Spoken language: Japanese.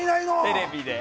テレビで。